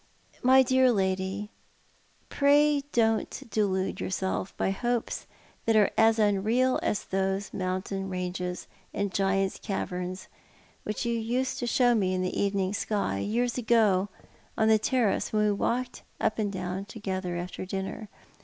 "^ly dear lady, pray don't delude yourself by hopes that are as unreal as those mountain ranges and giant's caverns which you used to show me in the evening sky, years ago, on the terrace, when we walked up and down together after dinner.